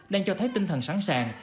đang cho thấy tinh thần sẵn sàng